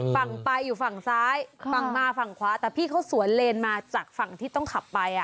ฝั่งไปอยู่ฝั่งซ้ายฝั่งมาฝั่งขวาแต่พี่เขาสวนเลนมาจากฝั่งที่ต้องขับไป